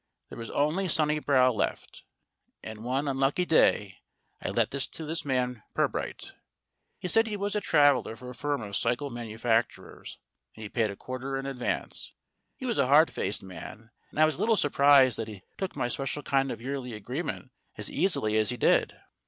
There was only Sunnibrow left, and one unlucky day I let that to this man Pirbright. He said he was a traveller for a firm of cycle manu facturers, and he paid a quarter in advance. He was a hard faced man, and I was a little surprised that he took my special kind of yearly agreement as easily as he did.